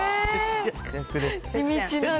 地道なね。